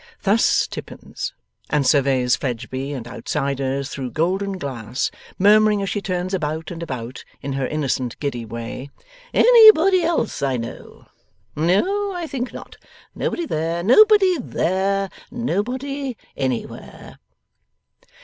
Thus Tippins, and surveys Fledgeby and outsiders through golden glass, murmuring as she turns about and about, in her innocent giddy way, Anybody else I know? No, I think not. Nobody there. Nobody THERE. Nobody anywhere!